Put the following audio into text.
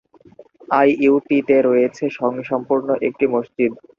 I U T তে রয়েছে স্বয়ংসম্পূর্ণ একটি মসজিদ।